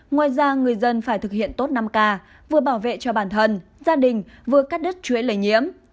ngoài ra người dân phải thực hiện tốt năm k vừa bảo vệ cho bản thân gia đình vừa cắt đứt chuỗi lây nhiễm